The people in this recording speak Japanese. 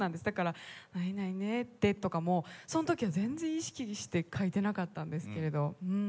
だから「会えないねって」とかもその時は全然意識して書いてなかったんですけれど。